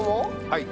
はい。